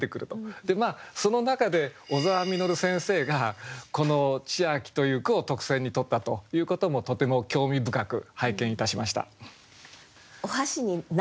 でまあその中で小澤實先生がこの「千秋」という句を特選にとったということもとても興味深く拝見いたしました。